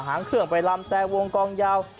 หางเครื่องไปลำแต่วงกองยาว